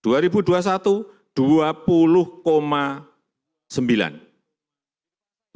kita sudah mencapai satu satu billion us dollar